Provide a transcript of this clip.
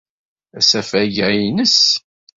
Asafag-a nnes.